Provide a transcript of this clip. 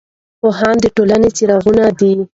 پوهان د ټولنې څراغونه دي.